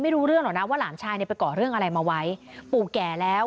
ไม่รู้เรื่องหรอกนะว่าหลานชายเนี่ยไปก่อเรื่องอะไรมาไว้ปู่แก่แล้ว